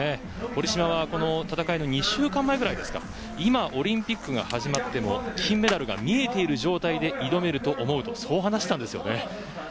堀島は、この戦いの２週間ぐらい前でしょうか今オリンピックが始まっても金メダルが見えている状態で挑めると思うとそう話したんですよね。